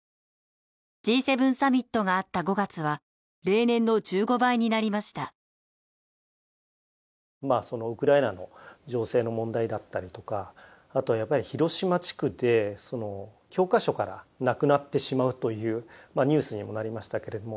Ｇ７サミットがあったウクライナの情勢の問題だったりとかあとはやっぱり広島地区で教科書からなくなってしまうというニュースにもなりましたけれども。